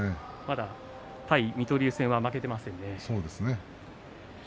対水戸龍戦は負けていませんね。